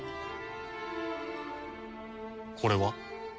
これは？